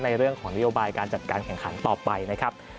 เรื่องของนโยบายการจัดการแข่งขันต่อไปนะครับ